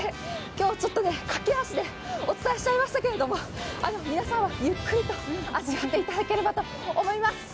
今日、ちょっと駆け足でお伝えしちゃいましたけど皆さんはゆっくりと味わっていただければと思います。